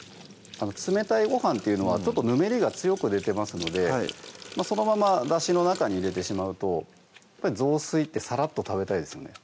冷たいご飯っていうのはぬめりが強く出てますのでそのままだしの中に入れてしまうとぞうすいってさらっと食べたいですよね